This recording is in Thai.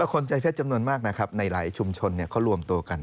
คนใจเพชรจำนวนมากนะครับในหลายชุมชนเขารวมตัวกัน